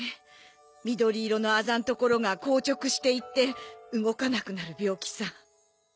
緑色のアザんところが硬直していって動かなくなる病気さ